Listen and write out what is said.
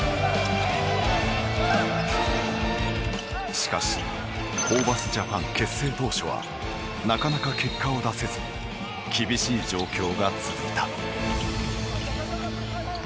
しかしホーバスジャパン結成当初はなかなか結果を出せず厳しい状況が続いた。